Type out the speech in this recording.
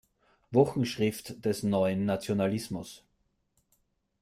Wochenschrift des neuen Nationalismus".